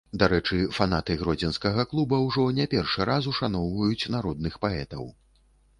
Дарэчы, фанаты гродзенскага клуба ўжо не першы раз ушаноўваюць народных паэтаў.